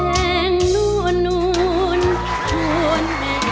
ใดลิดดื่มวิไลน์